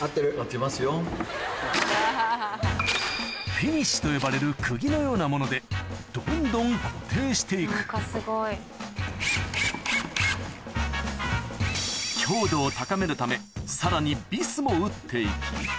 フィニッシュと呼ばれるくぎのようなものでどんどん固定していく強度を高めるためさらにビスも打っていき